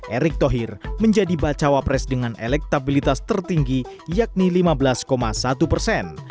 erik thohir menjadi bakal cawapres dengan elektabilitas tertinggi yakni lima belas satu persen